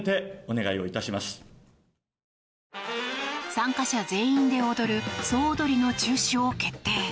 参加者全員で踊る総踊りの中止を決定。